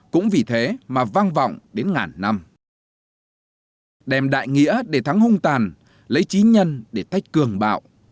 cũng vì thế mà vang vọng đến ngàn năm đem đại nghĩa để thắng hung tàn lấy trí nhân để tách cường bạo